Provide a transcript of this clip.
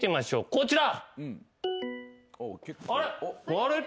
こちら。